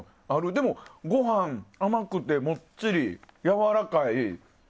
でも、ご飯、甘くてもっちりやわらかい。